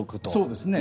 そうですね。